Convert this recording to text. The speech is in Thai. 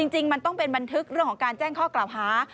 จริงมันต้องเป็นบันทึกเรื่องของการแจ้งข้อกล่าวหา